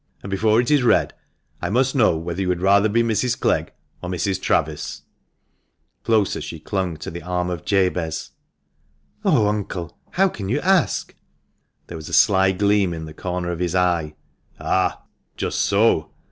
And before it is read I must know whether you would rather be Mrs. Clegg or Mrs. Travis ?" Closer she clung to the arm of Jabez. "Oh, uncle! How can you ask?" There was a sly gleam in the corner of his eye. "Ah! just so.